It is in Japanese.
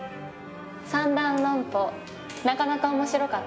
三段論法なかなか面白かった。